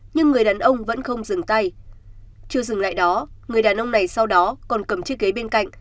nhưng người đàn ông vẫn không dừng tay chưa dừng lại đó người đàn ông này sau đó còn cầm chiếc ghế bên cạnh